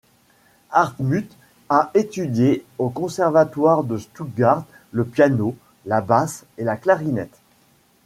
Hartmut a étudié au Conservatoire de Stuttgart le piano, la basse et la clarinette.